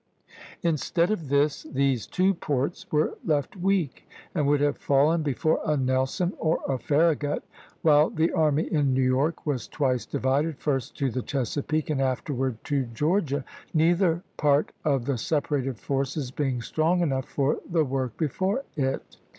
Instead of this, these two ports were left weak, and would have fallen before a Nelson or a Farragut, while the army in New York was twice divided, first to the Chesapeake and afterward to Georgia, neither part of the separated forces being strong enough for the work before it.